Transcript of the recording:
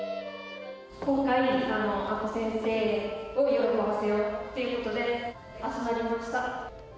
今回、明子先生を喜ばせようっていうことでみんな集まりました。